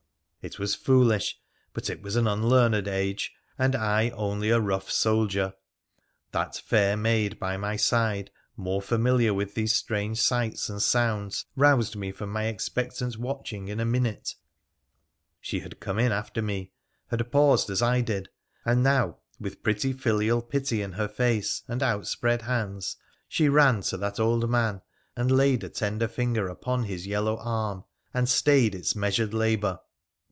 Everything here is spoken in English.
It was foolish, but it was an unlearned age, and I only a rough soldier. That fair maid by my side, more familiar with these strange sights and sounds, roused me from my expectant watching in a minute. She had come in after me, had paused as I did, and now with pretty filial pity in her face, and outspread hands, she ran to that old man and laid a tender finger upon his yellow 296 WONDERFUL ADVENTURES OF arm, and stayed its measured labour.